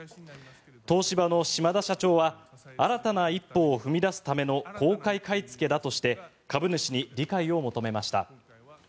東芝の島田社長は新たな一歩を踏み出すための公開買いつけだとして株主に理解を求めました。